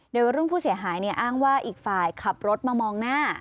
โดยรุ่นผู้เสียหายอ้างว่าอีกฝ่ายขับรถมามองหน้า